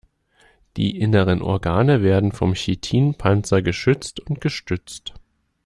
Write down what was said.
Die inneren Organe werden vom Chitinpanzer geschützt und gestützt.